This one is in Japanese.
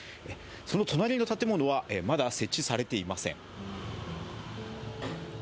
その隣の建物はまだ設置されていません。